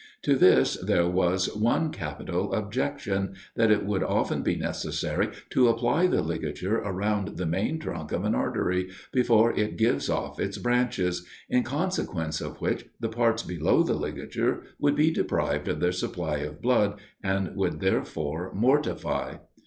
To this there was one capital objection, that it would often be necessary to apply the ligature around the main trunk of an artery, before it gives off its branches, in consequence of which the parts below the ligature would be deprived of their supply of blood, and would therefore mortify.